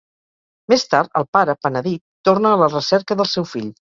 Més tard, el pare, penedit, torna a la recerca del seu fill.